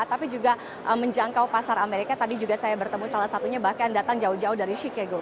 tapi juga menjangkau pasar amerika tadi juga saya bertemu salah satunya bahkan datang jauh jauh dari chicago